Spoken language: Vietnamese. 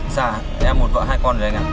dạ em một vợ hai con rồi anh ạ